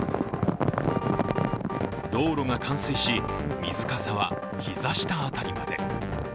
道路が冠水し、水かさは膝下あたりまで。